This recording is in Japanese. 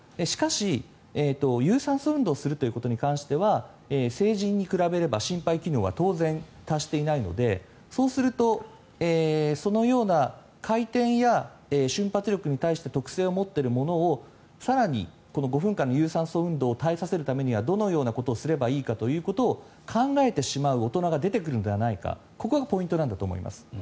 しかし、有酸素運動をするということに関しては成人に比べれば心肺機能は当然、達していないのでそうすると、そのような回転や瞬発力に対して特性を持っている者を更に５分間の有酸素運動を耐えさせるためにはどのようなことをさせればいいかということを考えてしまう大人が出てくるのではないかここがポイントだと思います。